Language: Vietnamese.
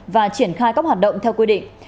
và triển khai các hoạt động theo quy định